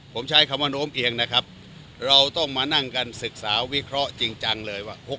ผมใช้คำว่าโน้มเอียงนะครับเราต้องมานั่งกันศึกษาวิเคราะห์จริงจังเลยว่า